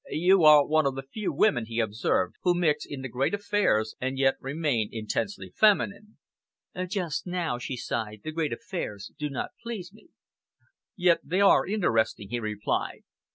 "You are one of the few women," he observed, "who mix in the great affairs and yet remain intensely feminine." "Just now," she sighed, "the great affairs do not please me." "Yet they are interesting," he replied.